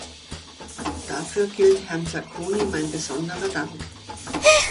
Dafür gilt Herrn Sacconi mein besonderer Dank.